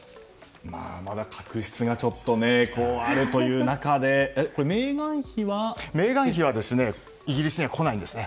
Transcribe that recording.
まだ確執があるという中でメーガン妃はイギリスには来ないんですね。